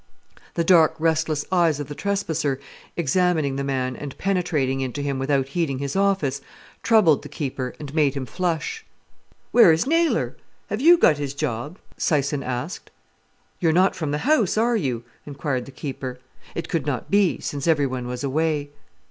The dark, restless eyes of the trespasser, examining the man and penetrating into him without heeding his office, troubled the keeper and made him flush. "Where is Naylor? Have you got his job?" Syson asked. "You're not from the House, are you?" inquired the keeper. It could not be, since everyone was away.